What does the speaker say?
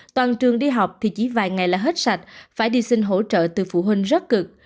toàn trường đi học thì chỉ vài ngày là hết sạch phải đi xin hỗ trợ từ phụ huynh rất cực